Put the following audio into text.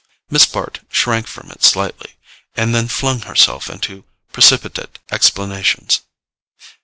Miss Bart shrank from it slightly, and then flung herself into precipitate explanations.